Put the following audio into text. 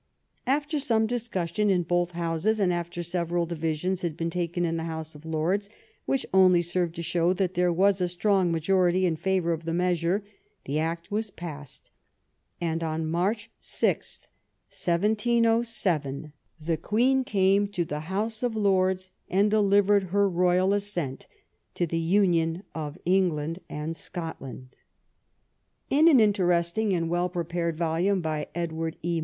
After some discussion in both Houses, and after several divis ions had been taken in the House of Lords, which only served to show that there was a strong majority in favor of the measure, the act was passed, and on March 6, 1707, the Queen came to the House of Lords and delivered her royal assent to the union of England and Scotland. 176 THE UNION WITH SCOTLAND In an interesting and well prepared volume by Ed ward E.